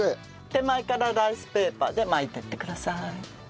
手前からライスペーパーで巻いていってください。